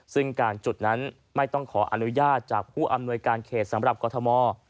ซึ่งการจุดนั้นไม่ต้องขออนุญาตจากผู้อำนวยการเขตสำหรับกรทม